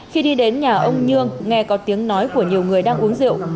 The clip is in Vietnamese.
khi đi đến nhà ông nhương nghe có tiếng nói của nhiều người đang uống rượu